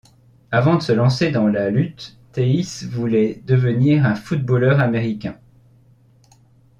Avant de se lancer dans la lutte, Theis voulait devenir un footballeur américain.